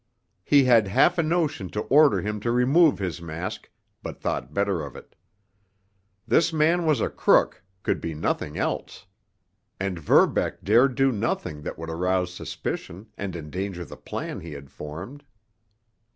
He had half a notion to order him to remove his mask, but thought better of it. This man was a crook, could be nothing else. And Verbeck dared do nothing that would arouse suspicion and endanger the plan he had formed.